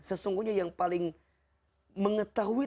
sesungguhnya yang paling mengetahui